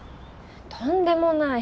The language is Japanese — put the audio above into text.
とんでもない！